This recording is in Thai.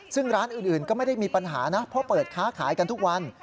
ซึ่งร้านอื่นก็ไม่ได้มีปัญหานะเพราะเปิดค้าขายกันทุกวัน